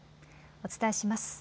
お伝えします。